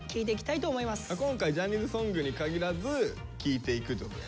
今回ジャニーズソングに限らず聞いていくってことだよね？